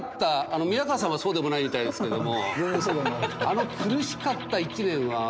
宮河さんはそうでもないみたいですけども。